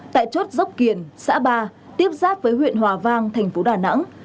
tại chốt dốc kiển xã ba tiếp giáp với huyện hòa vang tp đà nẵng